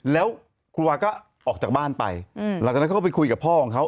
แล้วคุณวาก็ออกจากบ้านไปหลังจากนั้นเขาก็ไปคุยกับพ่อของเขา